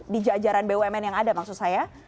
di jajaran bumn yang ada maksud saya